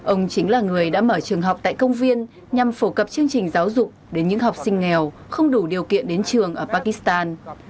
ông chính là người đã mở trường học tại công viên nhằm phổ cập chương trình giáo dục đến những học sinh nghèo không đủ điều kiện đến trường ở pakistan